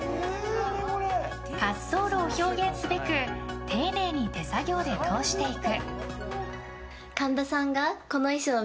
滑走路を表現すべく丁寧に手作業で通していく。